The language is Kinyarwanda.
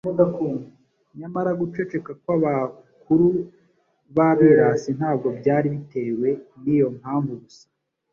Nyamara guceceka kw'abakuru b'abirasi ntabwo byari bitewe n'iyo mpamvu gusa.